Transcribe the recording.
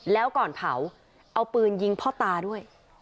แล้วก่อนเผาเอาปืนยิงพ่อตาด้วย